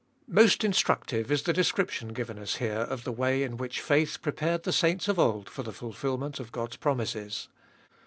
MOST instructive is the description given us here of the way in which faith prepared the saints of old for the fulfilment of God's promises.